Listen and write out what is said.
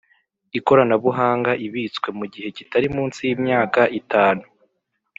ikoranabuhanga ibitswe mu gihe kitari munsi yimyaka itanu